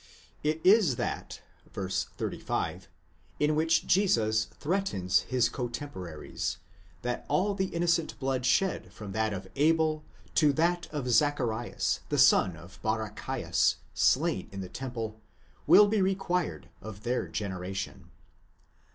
It is that (v. 35) in which Jesus threatens his cotemporaries, that all the innocent blood shed from that of Abel to that of Zacharias, the son of Bara chias, slain in the temple, will be required of their generation.